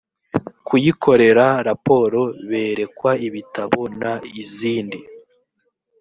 kuyikorera raporo berekwa ibitabo n izindi